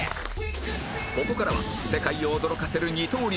ここからは世界を驚かせる二刀流